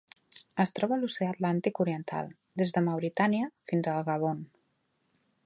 Es troba a l'Oceà Atlàntic oriental: des de Mauritània fins al Gabon.